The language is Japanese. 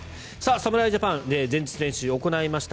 侍ジャパン前日練習を行いました。